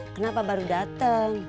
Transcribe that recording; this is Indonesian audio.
kenapa baru dateng